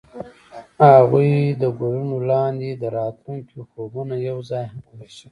هغوی د ګلونه لاندې د راتلونکي خوبونه یوځای هم وویشل.